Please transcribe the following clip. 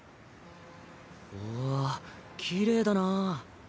おおきれいだなぁ。